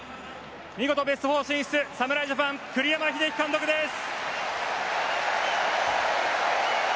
見事ベスト８進出侍ジャパン、栗山英樹監督です！